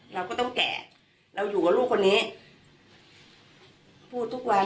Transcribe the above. เราก็ต้องแก่เราอยู่กับลูกคนนี้พูดทุกวัน